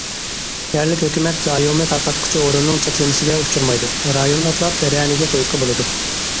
يەرلىك ھۆكۈمەت زايومى تارقاتقۇچى ئورۇننىڭ چەكلىمىسىگە ئۇچرىمايدۇ، رايون ئاتلاپ رەنىگە قويۇشقا بولىدۇ.